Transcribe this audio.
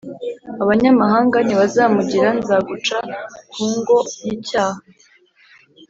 Abanyamahanga ntibazamugira nzaguca ku ngo y’icyaha